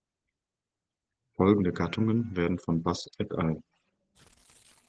Folgende Gattungen werden von Bass et al.